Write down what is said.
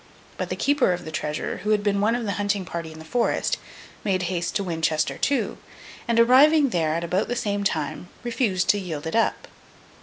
But the keeper of the treasure who had been one of the hunting party in the Forest, made haste to Winchester too, and, arriving there at about the same time, refused to yield it up.